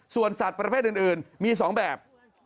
ส่วนสัตว์ประเภทอื่นมี๒แบบ